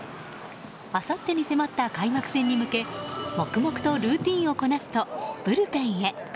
あさってに迫った開幕戦に向け黙々とルーティンをこなすとブルペンへ。